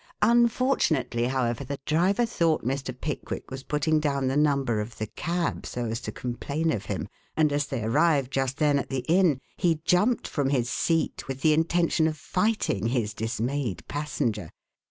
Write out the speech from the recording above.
Unfortunately, however, the driver thought Mr. Pickwick was putting down the number of the cab so as to complain of him, and as they arrived just then at the inn, he jumped from his seat with the intention of fighting his dismayed passenger.